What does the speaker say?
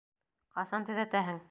Ҡасан төҙәтәһең?